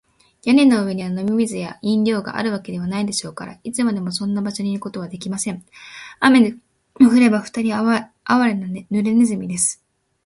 屋根の上には飲み水や食料があるわけでもないでしょうから、いつまでもそんな場所にいることはできません。雨でも降れば、ふたりはあわれな、ぬれネズミです。